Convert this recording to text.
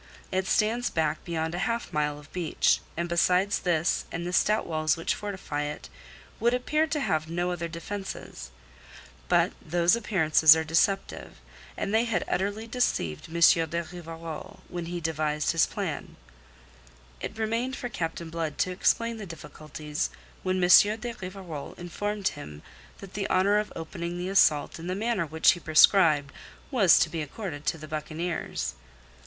It stands back beyond a half mile of beach, and besides this and the stout Walls which fortify it, would appear to have no other defences. But those appearances are deceptive, and they had utterly deceived M. de Rivarol, when he devised his plan. It remained for Captain Blood to explain the difficulties when M. de Rivarol informed him that the honour of opening the assault in the manner which he prescribed was to be accorded to the buccaneers.